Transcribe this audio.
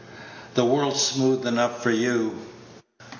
The world's smooth enough for you."